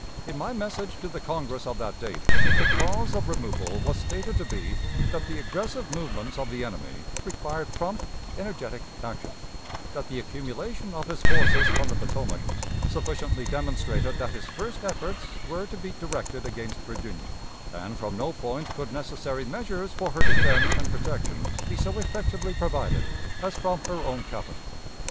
In my message to the Congress of that date, the cause of removal was stated to be, that the aggressive movements of the enemy required prompt, energetic action; that the accumulation of his forces on the Potomac sufficiently demonstrated that his first efforts were to be directed against Virginia, and from no point could necessary measures for her defense and protection be so effectively provided as from her own capital.